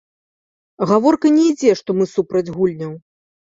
Гаворка не ідзе, што мы супраць гульняў.